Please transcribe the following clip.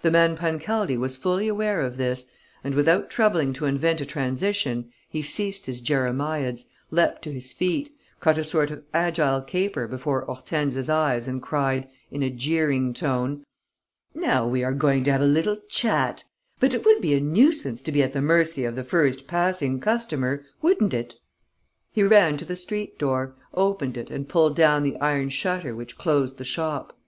The man Pancaldi was fully aware of this; and, without troubling to invent a transition, he ceased his jeremiads, leapt to his feet, cut a sort of agile caper before Hortense' eyes and cried, in a jeering tone: "Now we are going to have a little chat; but it would be a nuisance to be at the mercy of the first passing customer, wouldn't it?" He ran to the street door, opened it and pulled down the iron shutter which closed the shop.